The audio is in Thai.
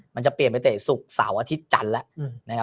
มันจะเปลี่ยนไปเตะศุกร์เสาร์อาทิตย์จันทร์แล้ว